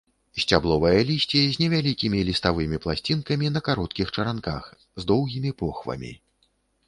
Сцябловае лісце з невялікімі ліставымі пласцінкамі на кароткіх чаранках, з доўгімі похвамі.